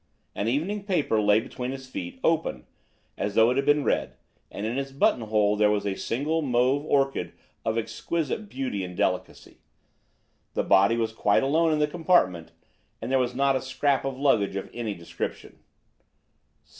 An evening paper lay between his feet, open, as though it had been read, and in his buttonhole there was a single mauve orchid of exquisite beauty and delicacy. The body was quite alone in the compartment, and there was not a scrap of luggage of any description.